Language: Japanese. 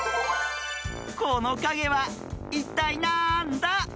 このかげはいったいなんだ？